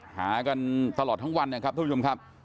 หากันตลอดทั้งวันนะครับทุกผู้ชมครับ